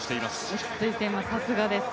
落ち着いています、さすがです。